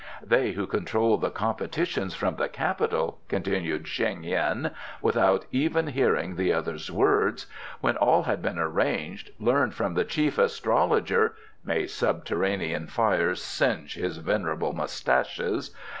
"They who control the competitions from the Capital," continued Sheng yin, without even hearing the other's words, "when all had been arranged, learned from the Chief Astrologer (may subterranean fires singe his venerable moustaches!)